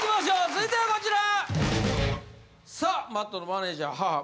続いてはこちら！